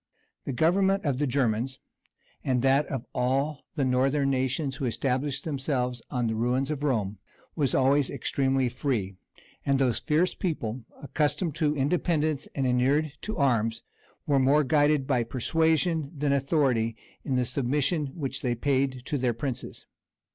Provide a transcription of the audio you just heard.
The government of the Germans, and that of all the northern nations who established themselves on the ruins of Rome, was always extremely free; and those fierce people, accustomed to independence and inured to arms, were more guided by persuasion than authority in the submission which they paid to their princes.